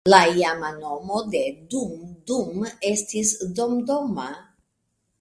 La iama nomo de Dum Dum estis "Domdoma".